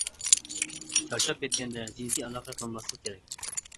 چارچاپ كەتكەندە جىنسىي ئالاقە قىلماسلىق كېرەك.